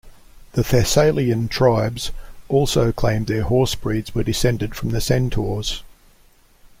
The Thessalian tribes also claimed their horse breeds were descended from the centaurs.